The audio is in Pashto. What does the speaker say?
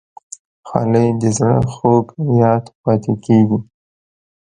خولۍ د زړه خوږ یاد پاتې کېږي.